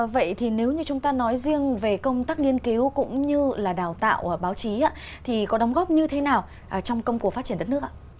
vậy thì nếu như chúng ta nói riêng về công tác nghiên cứu cũng như là đào tạo báo chí thì có đóng góp như thế nào trong công cụ phát triển đất nước ạ